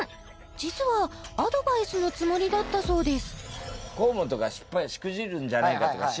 実はアドバイスのつもりだったそうです